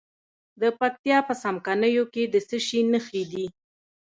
د پکتیا په څمکنیو کې د څه شي نښې دي؟